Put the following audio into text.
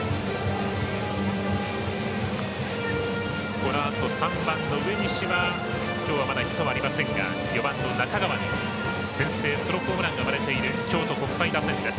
このあと３番の植西はきょうはまだヒットはありませんが４番の中川に先制ソロホームランが生まれている京都国際打線です。